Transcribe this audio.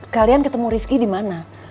kalian ketemu rizky dimana